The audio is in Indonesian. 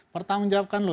pertanggung jawabkan loh